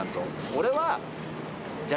俺は。